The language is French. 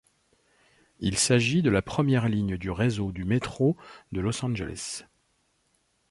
Il s'agit de la première ligne du réseau du métro de Los Angeles.